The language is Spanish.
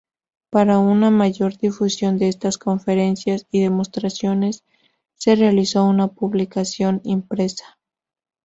Para una mayor difusión de estas conferencias y demostraciones se realizó una publicación impresa.